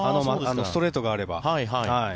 ストレートがあれば。